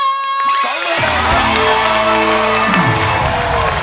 สองหมื่นบาท